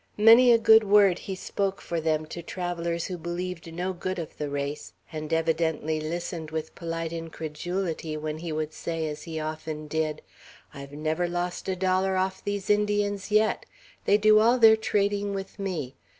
Many a good word he spoke for them to travellers who believed no good of the race, and evidently listened with polite incredulity when he would say, as he often did: "I've never lost a dollar off these Indians yet. They do all their trading with me.